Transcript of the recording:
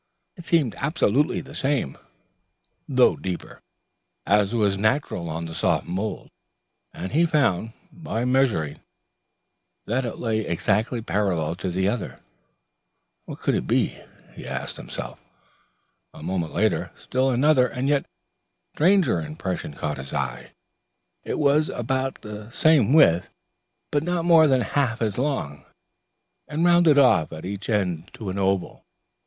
It seemed absolutely the same, though deeper, as was natural on the soft mould, and he found, by measuring, that it lay exactly parallel to the other. What could it be, he asked himself. A moment later, still another and yet stranger impression caught his eye. It was about the same width, but not more than half as long, and rounded off at each end to an oval.